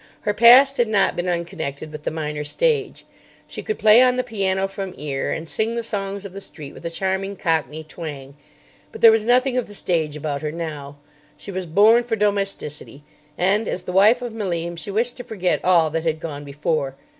Her past had not been unconnected with the minor stage. She could play on the piano from ear, and sing the songs of the street with a charming cockney twang. But there was nothing of the stage about her now. She was born for domesticity and, as the wife of Malim, she wished to forget all that had gone before.